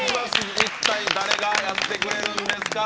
一体、誰がやってくれるんですか？